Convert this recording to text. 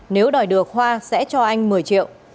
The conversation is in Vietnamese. nếu đòi được hoa sẽ cho anh một mươi triệu